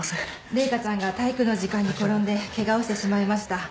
麗華ちゃんが体育の時間に転んでケガをしてしまいました。